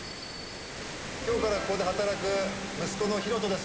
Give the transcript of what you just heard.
きょうからここで働く息子の広翔です。